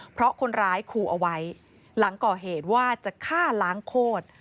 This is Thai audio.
เพราะคนร้ายขู่เอาไว้หลังก่อเหตุว่าจะฆ่าล้างโคตร